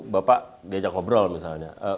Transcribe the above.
bapak diajak ngobrol misalnya